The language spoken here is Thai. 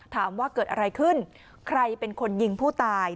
ถามว่าเกิดอะไรขึ้นใครเป็นคนยิงผู้ตาย